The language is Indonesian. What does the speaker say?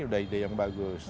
udah ide yang bagus